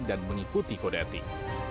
dan mengikuti kode etik